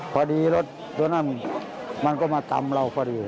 พอดีรถตัวนั้นมันก็มาตำเราพอดี